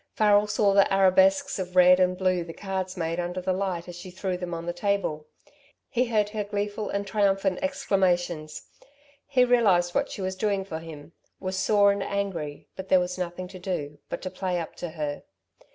Farrel saw the arabesques of red and blue the cards made under the light as she threw them on the table. He heard her gleeful and triumphant exclamations. He realised what she was doing for him, was sore and angry, but there was nothing to do but to play up to her.